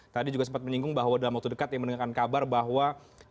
tadi juga sempat menyinggung bahwa dalam waktu dekat yang mendengarkan kabar bahwa